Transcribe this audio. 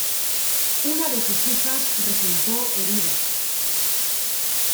Una de sus hijas resultó herida.